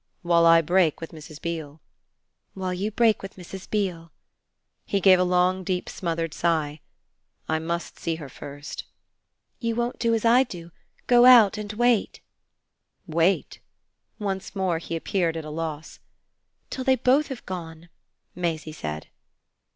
"While I break with Mrs. Beale?" "While you break with Mrs. Beale." He gave a long deep smothered sigh. "I must see her first." "You won't do as I do? Go out and wait?" "Wait?" once more he appeared at a loss. "Till they both have gone," Maisie said.